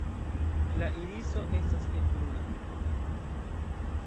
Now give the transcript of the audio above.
La iriso estas helbruna.